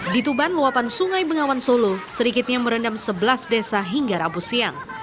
di tuban luapan sungai bengawan solo sedikitnya merendam sebelas desa hingga rabu siang